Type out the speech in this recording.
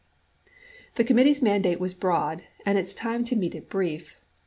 The committee's mandate was broad and its time to meet it brief.